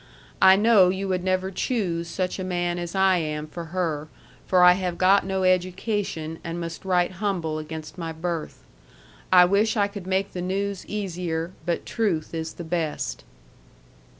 I know you would never choose such a man as I am for her for I have got no education and must write humble against my birth. I wish I could make the news easier but truth is the best.